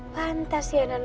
pantas ya non